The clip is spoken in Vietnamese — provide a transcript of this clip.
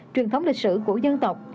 truyền thống lịch sử của dân tộc